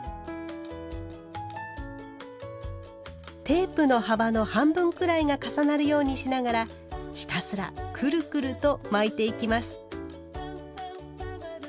テープの幅の半分くらいが重なるようにしながらひたすらくるくると巻いていきます。